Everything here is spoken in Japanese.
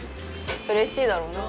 うれしいだろうな。